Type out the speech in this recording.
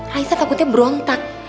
raisa takutnya berontak